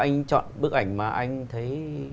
anh chọn bức ảnh mà anh thấy